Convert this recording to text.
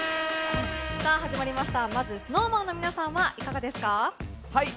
始まりましたＳｎｏｗＭａｎの皆さんはいかがですか。